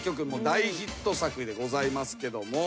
大ヒット作でございますけども。